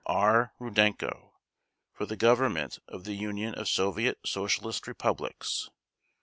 /s/ R. RUDENKO For the Government of the Union of Soviet Socialist Republics.